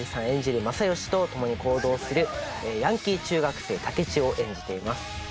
演じる正義とともに行動するヤンキー中学生武智を演じています